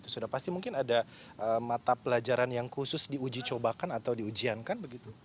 sudah pasti mungkin ada mata pelajaran yang khusus diuji cobakan atau diujiankan begitu